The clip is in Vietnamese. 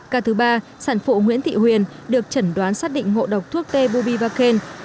ca thứ ba sản phụ nguyễn thị huyền được chẩn đoán xác định ngộ độc thuốc tê bubivacain